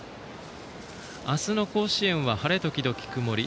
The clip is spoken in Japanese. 明日の甲子園は晴れ時々曇り。